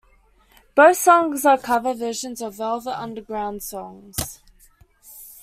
Both songs are cover versions of Velvet Underground songs.